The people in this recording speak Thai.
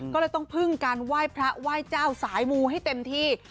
ก็เลยต้องพึ่งการไหว้พระไหว้เจ้าสายมูให้เต็มที่